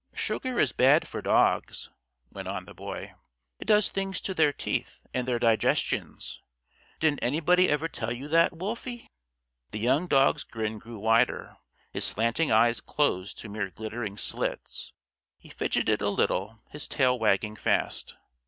"Sugar is bad for dogs," went on the Boy. "It does things to their teeth and their digestions. Didn't anybody ever tell you that, Wolfie?" The young dog's grin grew wider. His slanting eyes closed to mere glittering slits. He fidgeted a little, his tail wagging fast.